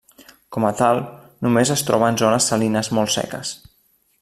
Com a tal, només es troba en zones salines molt seques.